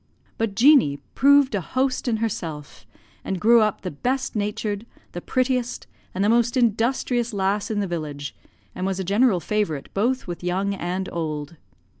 But Jeanie proved a host in herself, and grew up the best natured, the prettiest, and the most industrious lass in the village, and was a general favourite both with young and old.